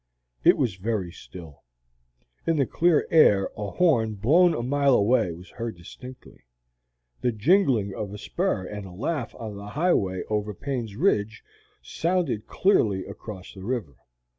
It was very still. In the clear air a horn blown a mile away was heard distinctly. The jingling of a spur and a laugh on the highway over Payne's Ridge sounded clearly across the river.